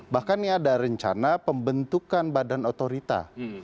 bahkan ini ada rencana pembentukan badan otorita